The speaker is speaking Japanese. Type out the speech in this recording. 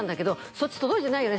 「そっち届いてないよね？」